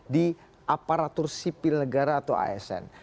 di aparatur sipil negara atau asn